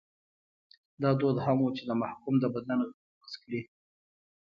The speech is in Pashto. دا دود هم و چې د محکوم د بدن غړي غوڅ کړي.